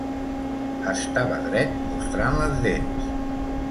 Estava dret, mostrant les dents.